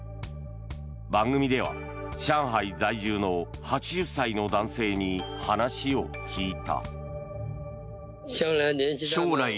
番組では上海在住の８０歳の男性に話を聞いた。